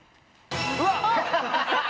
うわっ！